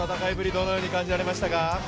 どのように感じられましたか？